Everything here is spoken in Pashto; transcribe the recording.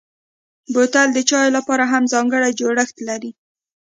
بوتل د چايو لپاره هم ځانګړی جوړښت لري.